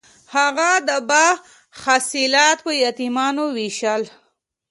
هغه د باغ حاصلات په یتیمانو ویشل.